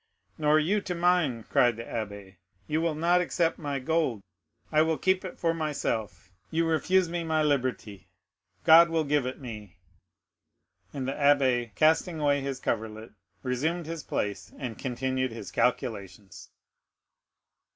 "Nor you to mine," cried the abbé. "You will not accept my gold; I will keep it for myself. You refuse me my liberty; God will give it me." And the abbé, casting away his coverlet, resumed his place, and continued his calculations.